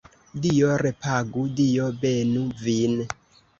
Dio repagu, Dio benu vin!